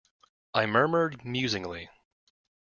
I murmured musingly.